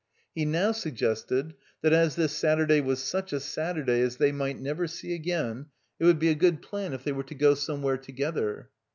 He now suggested that, as this Satur day was such a Saturday as they might never see again, it would be a good plan if they were to go somewhere together.